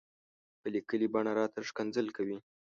په ليکلې بڼه راته ښکنځل کوي.